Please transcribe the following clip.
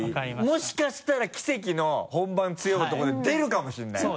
もしかしたら奇跡の本番強い男で出るかもしれないから。